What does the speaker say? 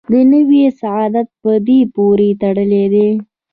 دنیوي سعادت په دې پورې تړلی دی.